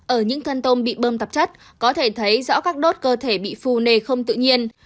ở những thân tôm bị bơm tạp chất có thể thấy rõ các đốt cơ thể bị phù nề không tự nhiên